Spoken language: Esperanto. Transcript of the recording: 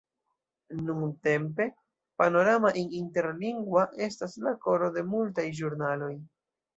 Nuntempe, Panorama In Interlingua estas la koro de multaj ĵurnaloj.